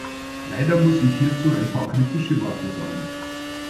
Leider muss ich hierzu ein paar kritische Worte sagen.